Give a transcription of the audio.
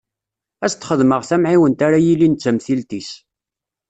Ad s-d-xedmeɣ tamɛiwent ara yilin d tamtilt-is.